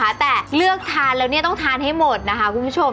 หรือทันได้เลยแต่ต้องทานให้หมดคุณผู้ชม